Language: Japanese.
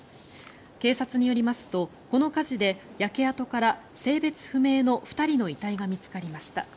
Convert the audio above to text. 警察によりますとこの火事で焼け跡から性別不明の２人の遺体が見つかりました。